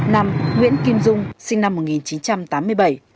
năm nguyễn kim dung sinh năm một nghìn chín trăm tám mươi bảy